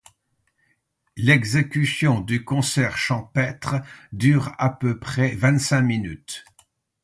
L'exécution du Concert champêtre dure à peu près vingt-cinq minutes.